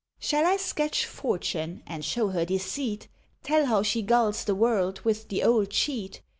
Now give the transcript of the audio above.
Shall I sketch Fortune, and show her deceit? Tell how she gulls the world with the old cheat?